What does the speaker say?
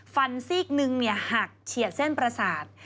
ซีกหนึ่งหักเฉียดเส้นประสาท